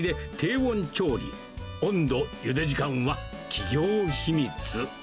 温度、ゆで時間は企業秘密。